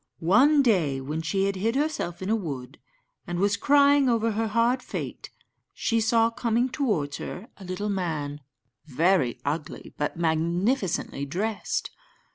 One day, when she had hid herself in a wood, and was crying over her hard fate, she saw coming towards her a little man, very ugly, but magnificently dressed.